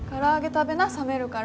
食べな冷めるから。